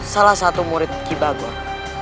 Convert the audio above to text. salah satu murid kibagor